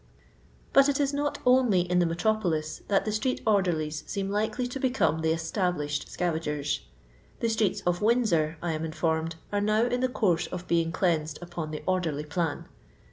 But it is not only in the metropolis that the street orderlies seem likely to become the esta blished scavagers. The streets of Windsor, I am informed, are now in the course of being cleansed upon the orderly plan.